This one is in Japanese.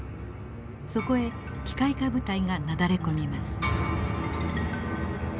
そこへ機械化部隊がなだれ込みます。